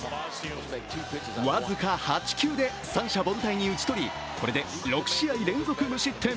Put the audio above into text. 僅か８球で、三者凡退に打ち取りこれで６試合連続無失点。